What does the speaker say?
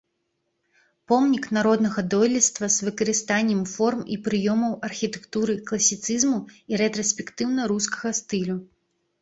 Помнік народнага дойлідства з выкарыстаннем форм і прыёмаў архітэктуры класіцызму і рэтраспектыўна-рускага стылю.